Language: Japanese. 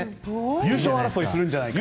優勝争い